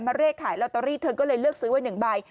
เลขขายลอตเตอรี่เธอก็เลยเลือกซื้อไว้๑ใบ